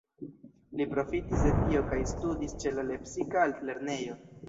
Li profitis de tio kaj studis ĉe la lepsika altlernejo.